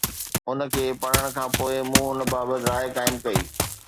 ان کي پڙهڻ کان پوءِ مون ان بابت راءِ قائم ڪئي